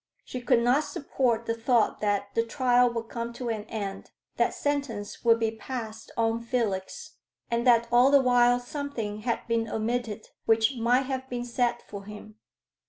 She could not support the thought that the trial would come to an end, that sentence would be passed on Felix, and that all the while something had been omitted which might have been said for him.